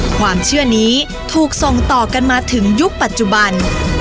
ความเชื่อนี้ถูกส่งต่อกันมาถึงยุคปัจจุบัน